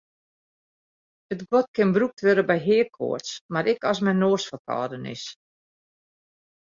It guod kin brûkt wurde by heakoarts mar ek as men noasferkâlden is.